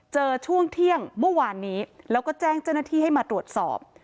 ช่วงเที่ยงเมื่อวานนี้แล้วก็แจ้งเจ้าหน้าที่ให้มาตรวจสอบ